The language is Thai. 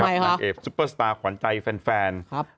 ทำไมคะนางเอฟซุปเปอร์สตาร์ขวัญใจแฟนแฟนครับ